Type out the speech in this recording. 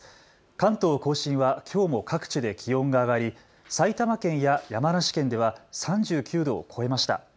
関東甲信はきょうも各地で気温が上がり埼玉県や山梨県では３９度を超えました。